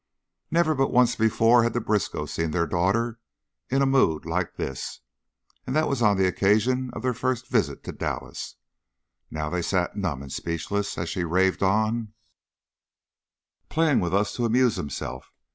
Never but once before had the Briskows seen their daughter in a mood like this, and that was on the occasion of their first visit to Dallas. Now they sat numb and speechless as she raved on: "Playin' with us to amuse himself!